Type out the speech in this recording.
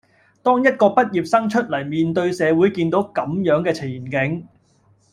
當一個畢業生出黎面對社會見到咁樣嘅前景